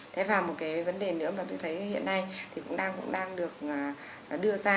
thế vào một cái vấn đề nữa mà tôi thấy hiện nay thì cũng đang được đưa ra